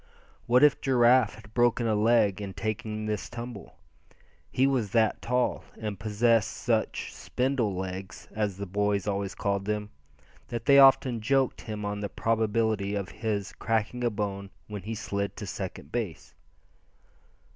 What if Giraffe had broken a leg in taking this tumble? He was that tall, and possessed such "spindle legs," as the boys always called them, that they often joked him on the probability of his cracking a bone when he slid to second base.